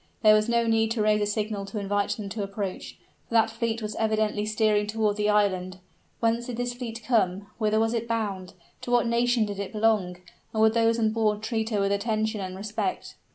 There was no need to raise a signal to invite them to approach for that fleet was evidently steering toward the island. Whence did this fleet come? whither was it bound? to what nation did it belong? and would those on board treat her with attention and respect?